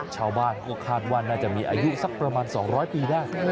ชาวบ้านเขาก็คาดว่าน่าจะมีอายุสักประมาณ๒๐๐ปีได้